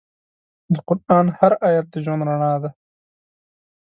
د قرآن هر آیت د ژوند رڼا ده.